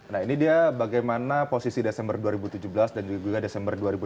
nah ini dia bagaimana posisi desember dua ribu tujuh belas dan juga desember dua ribu delapan belas